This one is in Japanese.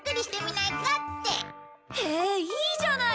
へえいいじゃない。